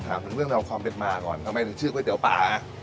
ถามถึงเรื่องราวความเป็นมาก่อนทำไมถึงชื่อก๋วยเตี๋ยวป่า